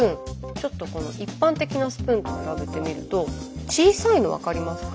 ちょっとこの一般的なスプーンと比べてみると小さいの分かりますか？